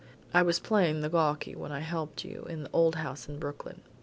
I was playing the gawky when I helped you in the old house in Brooklyn.